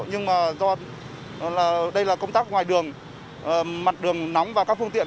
nhưng mà do đây là công tác ngoài đường mặt đường nóng và các phương tiện